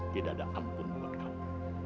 tidak ada ampun buat kamu